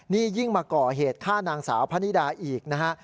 นี่ยิ่งมาก่อเหตุฆ่านางสาวพะนิดาอีกนะฮะ